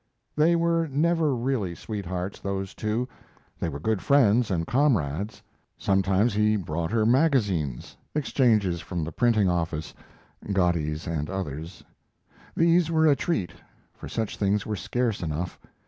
They were never really sweethearts, those two. They were good friends and comrades. Sometimes he brought her magazines exchanges from the printing office Godey's and others. These were a treat, for such things were scarce enough.